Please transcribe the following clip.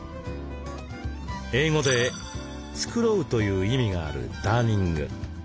英語で「繕う」という意味があるダーニング。